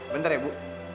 bentar ya bu